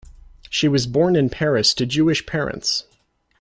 She was born in Paris to Jewish parents.